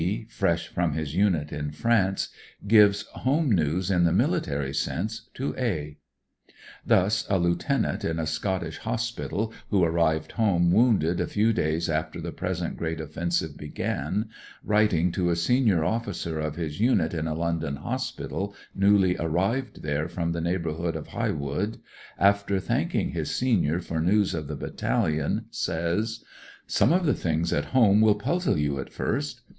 fresh from his unit in France, gives home news in the military sense to A. Thus a lieutenant in a Scottish hospital who arrived home wounded a few days after the present great offensive began, writing to a senior officer of his unit in a London hospital, newly arrived there from the neighbourhood of High Wood, after 180 THE HOSPITAL MAnrBAGS V. '■ t w ii thanking his senior for news of the Battalion, says :" Some of the things at home will puzzle you at first.